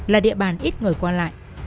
là địa bàn ít người qua lại